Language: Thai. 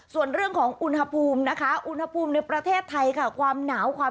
ส่วนเรื่องของอุณหภูมินะคะอุณหภูมิในประเทศไทยค่ะ